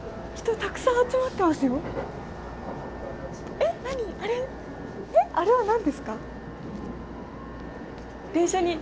えっ何あれえっあれは何ですか？